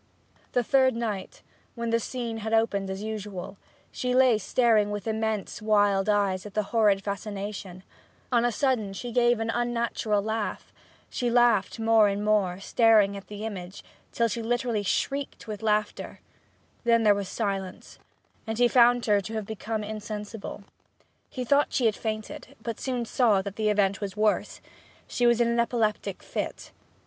The third night, when the scene had opened as usual, and she lay staring with immense wild eyes at the horrid fascination, on a sudden she gave an unnatural laugh; she laughed more and more, staring at the image, till she literally shrieked with laughter: then there was silence, and he found her to have become insensible. He thought she had fainted, but soon saw that the event was worse: she was in an epileptic fit.